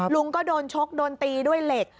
ลุงก็โดนชกโดนตีด้วยเหล็ก